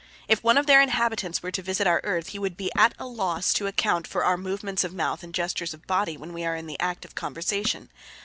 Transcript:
If one of their inhabitants were to visit our Earth, he would be at a loss to account for our movements of mouth and gestures of body when we are in the act of conversation.